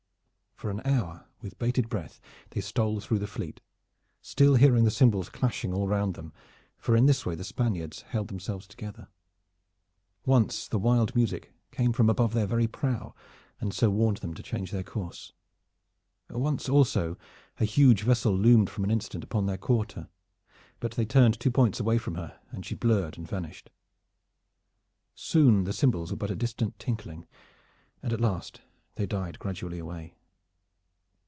For an hour with bated breath they stole through the fleet, still hearing the cymbals clashing all round them, for in this way the Spaniards held themselves together. Once the wild music came from above their very prow, and so warned them to change their course. Once also a huge vessel loomed for an instant upon their quarter, but they turned two points away from her, and she blurred and vanished. Soon the cymbals were but a distant tinkling, and at last they died gradually away.